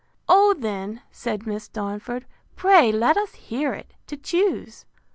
O then, said Miss Darnford, pray let us hear it, to choose.